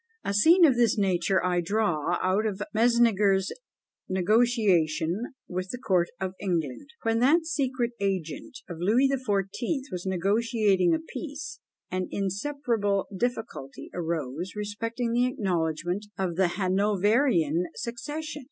A scene of this nature I draw out of "Mesnager's Negociation with the Court of England." When that secret agent of Louis the Fourteenth was negotiating a peace, an insuperable difficulty arose respecting the acknowledgment of the Hanoverian succession.